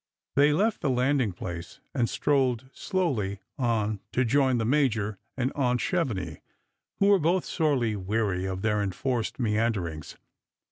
They left the landing place, and strolled slowly on to join the Major and aunt Chevenix, who were both sorely weary of their enforced meanderings.